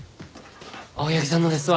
青柳さんのですわ。